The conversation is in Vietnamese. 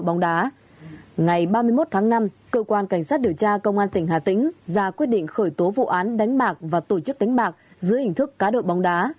ngày ba mươi một tháng năm cơ quan cảnh sát điều tra công an tỉnh hà tĩnh ra quyết định khởi tố vụ án đánh bạc và tổ chức đánh bạc dưới hình thức cá độ bóng đá